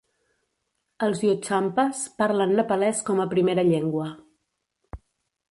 Els lhotshampas parlen nepalès com a primera llengua.